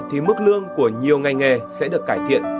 thì mức lương của nhiều ngành nghề sẽ được cải thiện